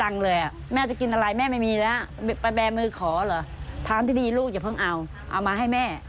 น้อยใจไหมคุณแม่